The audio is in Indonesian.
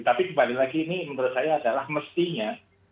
tapi kembali lagi ini menurut saya adalah mestinya